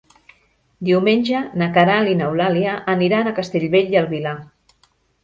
Diumenge na Queralt i n'Eulàlia aniran a Castellbell i el Vilar.